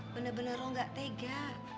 bener bener roh gak tega